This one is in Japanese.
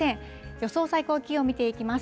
予想最高気温、見ていきます。